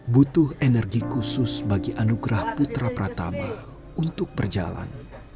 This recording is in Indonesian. butuh energi khusus bagi anugerah putra pratama untuk berjalan